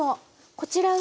こちらは。